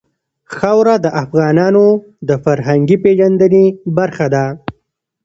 خاوره د افغانانو د فرهنګي پیژندنې برخه ده.